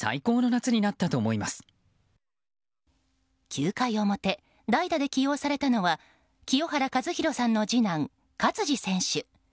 ９回表、代打で起用されたのは清原和博さんの次男・勝児選手。